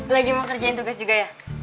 lagi mau kerjain tugas juga ya